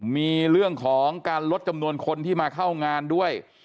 มีเรื่องของการลดจำนวนคนที่มาเข้างานด้วย